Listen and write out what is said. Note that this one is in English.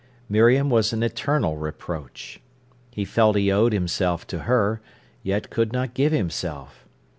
Miriam was an eternal reproach. He felt he owed himself to her, yet could not give himself.